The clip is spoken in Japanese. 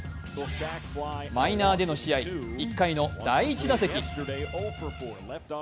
マイナーでの試合１回の第１打席。